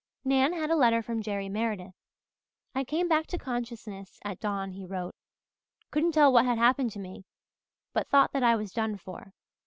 Nan had a letter from Jerry Meredith. "I came back to consciousness at dawn," he wrote. "Couldn't tell what had happened to me but thought that I was done for.